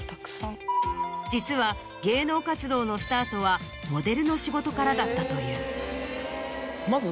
実は芸能活動のスタートはモデルの仕事からだったという。